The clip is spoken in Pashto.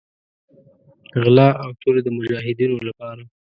غلا او چور د مجاهدینو لپاره.